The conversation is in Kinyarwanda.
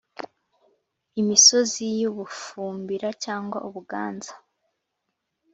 imisozi y u Bufumbira cyangwa ubuganza